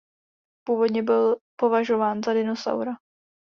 Původně byl považován za dinosaura.